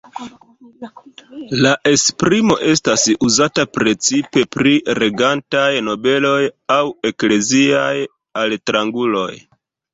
La esprimo estas uzata precipe pri regantaj nobeloj aŭ ekleziaj altranguloj.